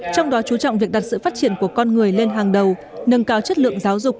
trong đó chú trọng việc đặt sự phát triển của con người lên hàng đầu nâng cao chất lượng giáo dục